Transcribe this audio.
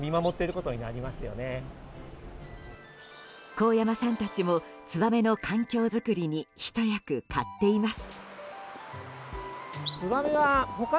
神山さんたちもツバメの環境作りにひと役買っています。